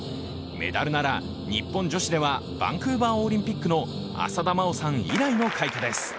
メダルなら日本女子ではバンクーバーオリンピックの浅田真央さん以来の快挙です。